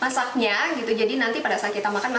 masukan bahan bahan yang lebih